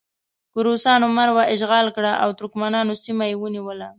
که روسانو مرو اشغال کړه او ترکمنانو سیمه یې ونیوله.